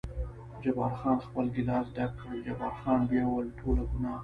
جبار خان خپل ګیلاس ډک کړ، جبار خان بیا وویل: ټوله ګناه.